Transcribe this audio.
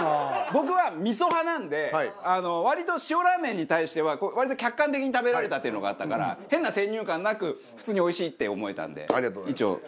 僕はみそ派なんで割と塩ラーメンに対しては客観的に食べられたっていうのがあったから変な先入観なく普通においしいって思えたんで一応。